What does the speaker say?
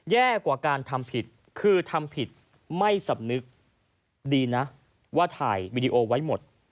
แย่กว่าการทำผิดคือทำผิดไม่สำนึกดีนะว่าถ่ายวีดีโอไว้หมด